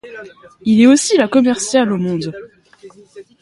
Il est aussi la commerciale au monde.